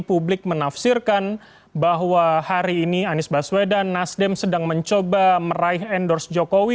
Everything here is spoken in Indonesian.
publik menafsirkan bahwa hari ini anies baswedan nasdem sedang mencoba meraih endorse jokowi